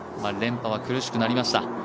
連覇は苦しくなりました。